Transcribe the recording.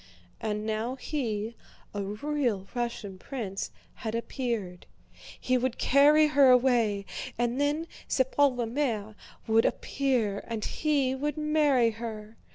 And now he, a real Russian prince, had appeared. He would carry her away and then sa pauvre mère would appear and he would marry her.